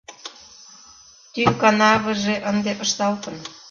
Тӱҥ канавыже ынде ышталтын.